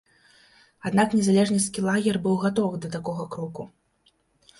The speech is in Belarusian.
Аднак незалежніцкі лагер быў гатовы да такога кроку.